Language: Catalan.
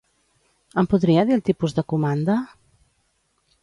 Em podria dir el tipus de comanda?